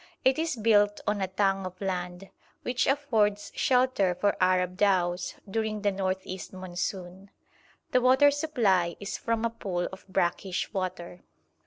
It is built on a tongue of land, which affords shelter for Arab dhows during the north east monsoon. The water supply is from a pool of brackish water.